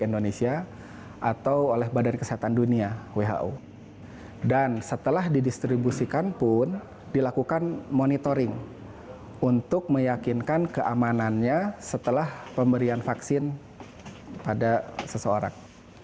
dan setelah didistribusikan pun dilakukan monitoring untuk meyakinkan keamanannya setelah pemberian vaksin pada seseorang